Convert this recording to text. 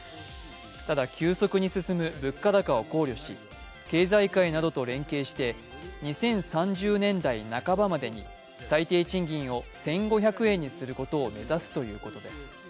ただ、急速に進む物価高を考慮し経済界などと連携して２０３０年代半ばまでに最低賃金を１５００円にすることを目指すということです。